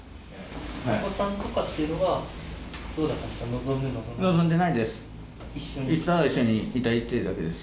お子さんとかっていうのはど望んでないです。